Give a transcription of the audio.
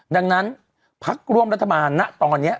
ดังนั้นพักร่วมรัฐบาลนะตอนนี้